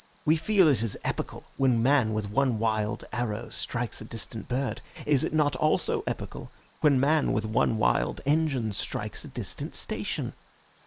We feel it is epical when man with one wild arrow strikes a distant bird. Is it not also epical when man with one wild engine strikes a distant station?